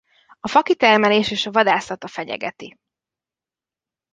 A fakitermelés és a vadászata fenyegeti.